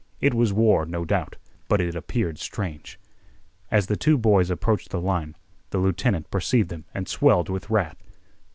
It was war, no doubt, but it appeared strange. As the two boys approached the line, the lieutenant perceived them and swelled with wrath.